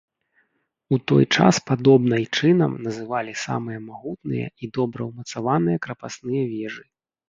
У той час падобнай чынам называлі самыя магутныя і добра ўмацаваныя крапасныя вежы.